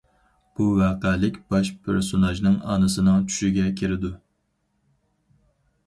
بۇ ۋەقەلىك باش پېرسوناژنىڭ ئانىسىنىڭ چۈشىگە كىرىدۇ.